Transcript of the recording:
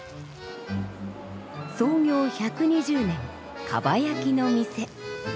創業１２０年かば焼きの店。